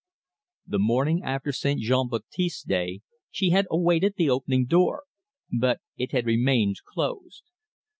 The morning after St. Jean Baptiste's day she had awaited the opening door, but it had remained closed.